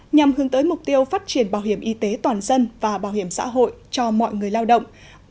nhằm hướng tới mục tiêu phát triển bảo hiểm y tế toàn dân và bảo hiểm xã hội cho mọi người lao động